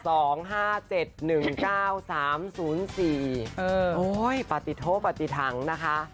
โอ้โหปฏิโทษปฏิถังนะคะ